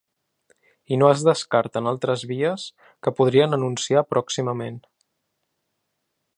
I no es descarten altres vies que podrien anunciar pròximament.